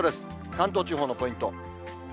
関東地方のポイント。